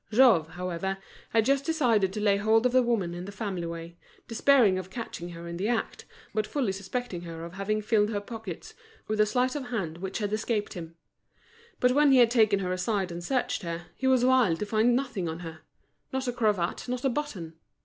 Jouve, however, had just decided to lay hold of the woman in the family way, despairing of catching her in the act, but fully suspecting her of having filled her pockets, with a sleight of hand which had escaped him. But when he had taken her aside and searched her, he was wild to find nothing on her—not a cravat, not a button.